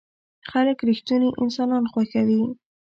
خلک رښتيني انسانان خوښوي.